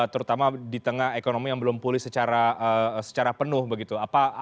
terutama di tengah ekonomi yang belum pulih secara penuh begitu